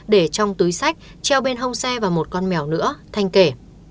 để trong túi sách treo bên hông xe và một con mèo nữa thanh kể